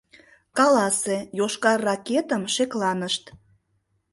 — Каласе: йошкар ракетым шекланышт.